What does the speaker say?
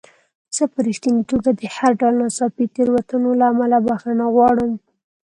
زه په رښتینې توګه د هر ډول ناڅاپي تېروتنې له امله بخښنه غواړم.